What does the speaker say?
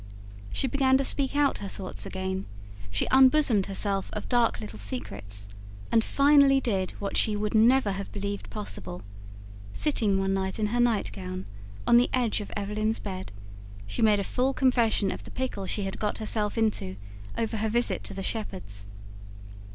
She began to speak out her thoughts again; she unbosomed herself of dark little secrets; and finally did what she would never have believed possible: sitting one night in her nightgown, on the edge of Evelyn's bed, she made a full confession of the pickle she had got herself into, over her visit to the Shepherds.